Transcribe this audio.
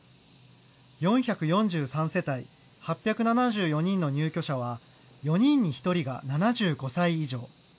４４３世帯８７４人の入居者は４人に１人が７５歳以上。